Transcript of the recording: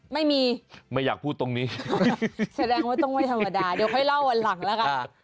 ไม่มีไม่อยากพูดตรงนี้แสดงว่าต้องไม่ธรรมดาเดี๋ยวค่อยเล่าวันหลังแล้วกัน